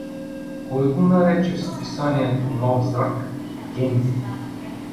— Кой го нарече в списанието Нов зрак „гений“?